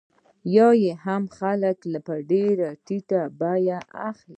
یا یې هم خلک په ډېره ټیټه بیه اخلي